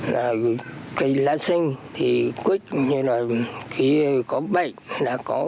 là người có khả năng đại diện cho con trai